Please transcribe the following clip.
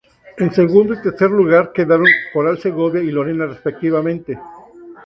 En segundo y tercer lugar quedaron Coral Segovia y Lorena, respectivamente.